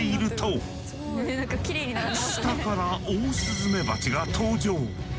下からオオスズメバチが登場。